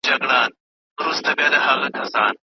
داسي وسوځېدم ولاړم لکه نه وم چا لیدلی